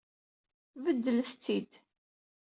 Beddel-it-id.